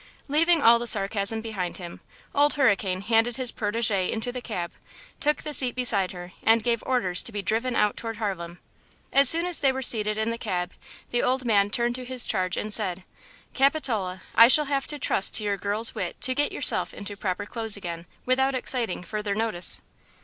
Leaving all the sarcasm behind him, Old Hurricane handed his protégée into the cab, took the seat beside her and gave orders to be driven out toward Harlem. As soon as they were seated in the cab the old man turned to his charge and said: "Capitola, I shall have to trust to your girl's wit to get yourself into your proper clothes again without exciting further notice."